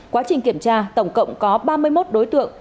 quá trình kiểm tra tổng cộng có ba mươi một đối tượng